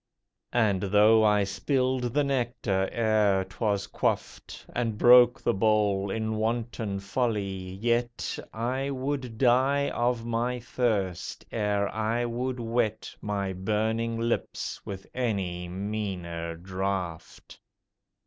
And though I spilled the nectar ere 'twas quaffed, And broke the bowl in wanton folly, yet I would die of my thirst ere I would wet My burning lips with any meaner draught.